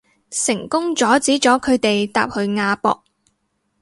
成功阻止咗佢哋搭去亞博